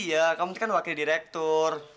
iya kamu tuh kan wakil direktur